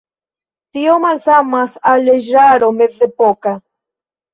Tio malsamas al leĝaro mezepoka.